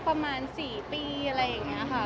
ประมาณ๔ปีอะไรอย่างนี้ค่ะ